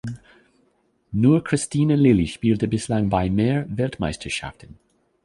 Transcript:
Nur Kristine Lilly spielte bislang bei mehr Weltmeisterschaften.